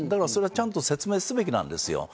ちゃんと説明すべきなんですよ。